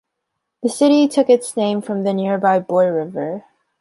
The city took its name from the nearby Boy River.